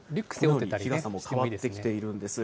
日傘も変わってきているんです。